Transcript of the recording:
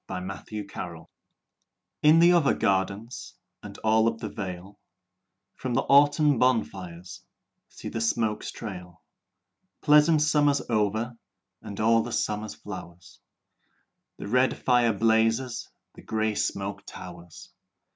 VI Autumn Fires In the other gardens And all up the vale, From the autumn bonfires See the smoke trail! Pleasant summer over And all the summer flowers, The red fire blazes, The grey smoke towers.